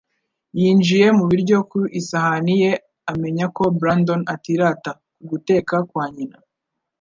Yinjiye mu biryo ku isahani ye, amenya ko Brandon atirata ku guteka kwa nyina.